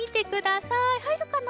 はいるかな？